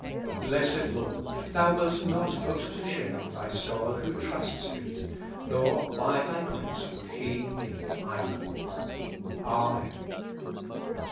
Blessed Lord ! Thou wilt not put to shame Thy scholar who trusts Thee, nor, by Thy grace, would he Thee, either. Amen.